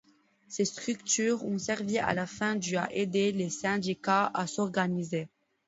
Ces structures ont servi à la fin du à aider les syndicats à s'organiser.